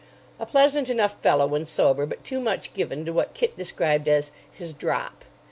A pleasant enough fellow when sober, but too much given to what Kit described as "his drop."